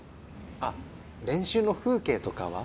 あっ練習の風景とかは？